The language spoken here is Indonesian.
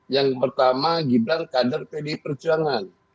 yang pertama gibran kader pdi perjuangan